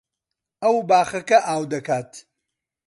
ئەو باخەکە ئاو دەکات.